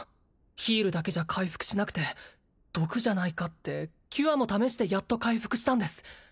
ヒールだけじゃ回復しなくて毒じゃないかってキュアも試してやっと回復したんです